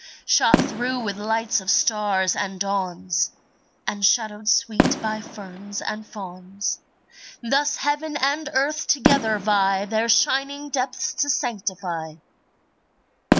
Shot through with lights of stars and dawns, And shadowed sweet by ferns and fawns, Thus heaven and earth together vie Their shining depths to sanctify.